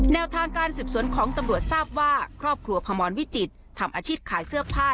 แนวทางการสืบสวนของตำรวจทราบว่าครอบครัวพมรวิจิตรทำอาชีพขายเสื้อผ้า